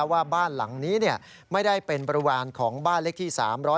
ว่าบ้านหลังนี้ไม่ได้เป็นบริวารของบ้านเลขที่๓๕